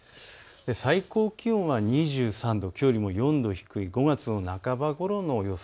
最高気温は２３度、きょうよりも４度低い５月の半ばごろの予想